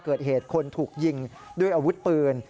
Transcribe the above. เกิดเหตุคนถูกยิงด้วยอาวุธปืน